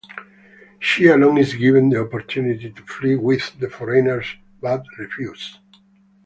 She alone is given the opportunity to flee with the foreigners but refuses.